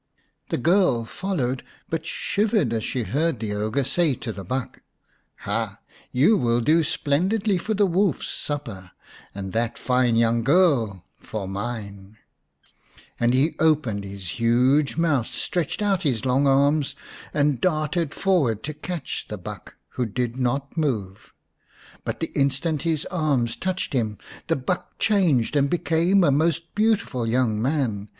The girl followed, but shivered as she heard the ogre say to the buck, " Ha, you will do splendidly for the wolfs supper, and that fine young girl for mine !" Then he opened his huge mouth, stretched out his long arms, and darted forward to catch the buck, who did not move. But the instant his arms touched him the buck changed, and became a most beautiful young man.